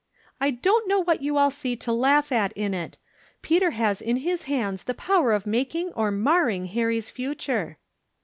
"I don't know what you all see to laugh at in it. Peter has in his hands the power of making or marring Harry's future."